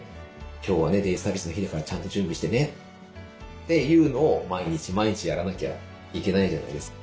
「今日はねデイサービスの日だからちゃんと準備してね」っていうのを毎日毎日やらなきゃいけないじゃないですか。